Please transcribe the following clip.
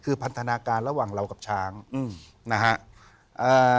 คือพันธนาการระหว่างเรากับช้างอืมนะฮะ